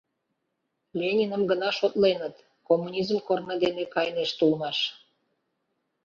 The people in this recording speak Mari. Лениным гына шотленыт, коммунизм корно дене кайынешт улмаш.